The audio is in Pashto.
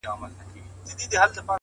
چي لــه ژړا سره خبـري كوم؛